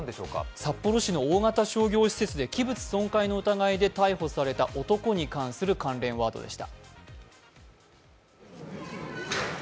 札幌市の大型商業施設で器物損壊の疑いで逮捕された男に関する関連ワードでした。